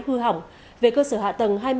hư hỏng về cơ sở hạ tầng